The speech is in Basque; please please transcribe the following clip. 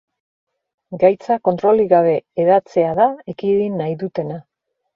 Gaitza kontrolik gabe hedatzea da ekidin nahi dutena.